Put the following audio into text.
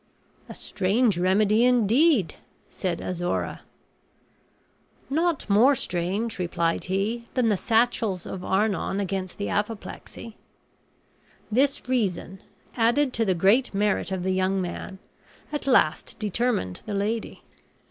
"A strange remedy, indeed!" said Azora. "Not more strange," replied he, "than the sachels of Arnon against the apoplexy." This reason, added to the great merit of the young man, at last determined the lady.